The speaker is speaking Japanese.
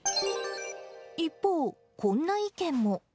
一方、こんな意見も。